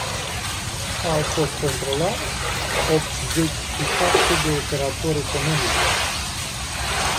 Au fost controlați optzeci și șapte de operatori economici.